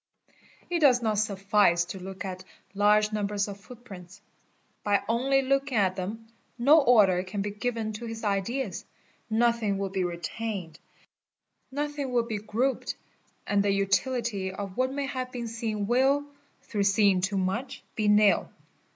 It does not suffice to look at large numbers of foot prints; by only looking at them no order can be given to his ideas, 1othing will be retained, nothing will be grouped, and the utility of what nay have been seen will, through seeing too much, be nil.